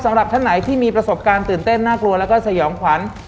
สำหรับท่านไหนที่มีประสบการณ์ตื่นเต้นน่ากลัวแล้วก็สยองขวัญ